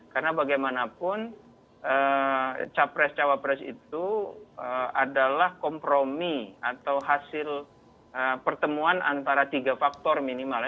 karena bagaimanapun capres cawapres itu adalah kompromi atau hasil pertemuan antara tiga faktor minimal